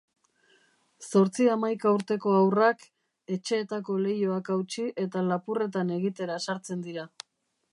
Zortzi-hamaika urteko haurrak, etxeetako leihoak hautsi eta lapurretan egitera sartzen dira.